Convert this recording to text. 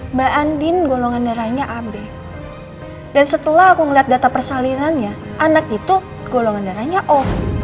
mbak andin golongan darahnya ab dan setelah aku melihat data persalinannya anak itu golongan darahnya oh